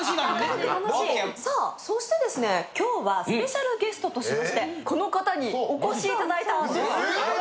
さあ、そして今日はスペシャルゲストとしましてこの方にお越しいただいたんです。